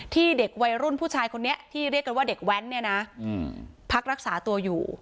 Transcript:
เด็กวัยรุ่นผู้ชายคนนี้ที่เรียกกันว่าเด็กแว้นเนี่ยนะพักรักษาตัวอยู่